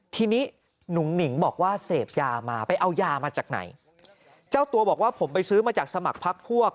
ทีนี้หนุ่งหนิงบอกว่าเสพยามาไปเอายามาจากไหนเจ้าตัวบอกว่าผมไปซื้อมาจากสมัครพักพวก